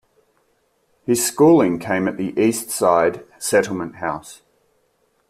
His schooling came at the East Side Settlement House.